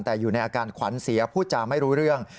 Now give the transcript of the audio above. แต่อยู่ในอาการขวัญเสียพูดจาไม่รู้เรื่อง